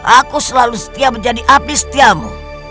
aku selalu setia menjadi api setiamu